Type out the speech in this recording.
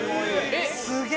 すげえ！